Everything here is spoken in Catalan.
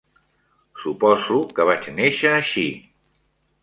Suposo que vaig néixer així.